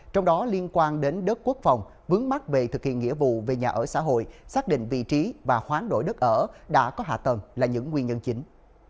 trong đó liên quan đến đất quốc phòng vướng mắt về thực hiện nghĩa vụ về nhà ở xã hội xác định vị trí và khoáng đổi đất ở đã có hạ tầng là những nguyên nhân chính